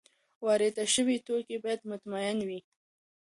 وارد شوي توکي باید مطمین وي.